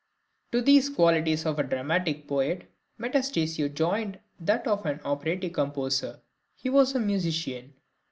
To these qualities of a dramatic poet, Metastasio joined that of an operatic composer; he was a musician.